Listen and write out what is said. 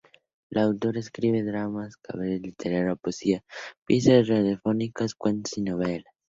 La autora escribe dramas, cabaret literario, poesía, piezas radiofónicas, cuentos y novelas.